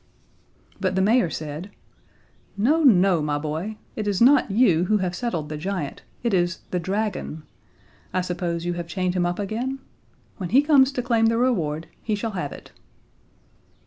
But the mayor said: "No, no, my boy. It is not you who have settled the giant, it is the dragon. I suppose you have chained him up again? When he comes to claim the reward he shall have it."